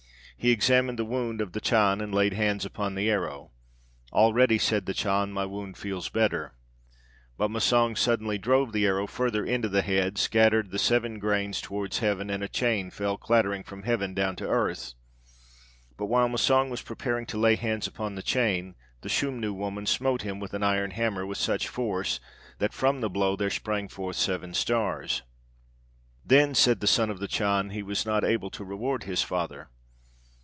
He examined the wound of the Chan, and laid hands upon the arrow. 'Already,' said the Chan, 'my wound feels better.' But Massang suddenly drove the arrow further into the head, scattered the seven grains towards heaven, and a chain fell clattering from heaven down to earth. "But while Massang was preparing to lay hands upon the chain, the Schumnu woman smote him with an iron hammer with such force, that from the blow there sprang forth seven stars." "Then," said the Son of the Chan, "he was not able to reward his father."